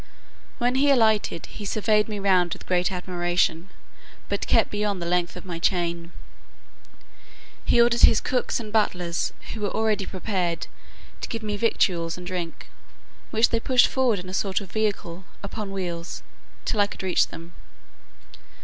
When he alighted, he surveyed me round with great admiration; but kept beyond the length of my chain. He ordered his cooks and butlers, who were already prepared, to give me victuals and drink, which they pushed forward in a sort of vehicles upon wheels, till I could reach them.